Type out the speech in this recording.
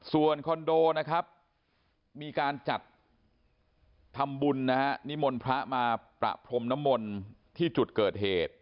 ส่วนคอนโดนะครับมีการจัดทำบุญนิมลพระมาประพรมนมลที่จุดเกิดเหตุ